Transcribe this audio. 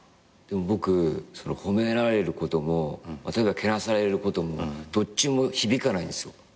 僕褒められることもけなされることもどっちも響かないんですよ。